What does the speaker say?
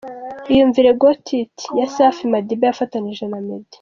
Iyumvire Goti iti ya Safi Madiba yafatanije na Medi.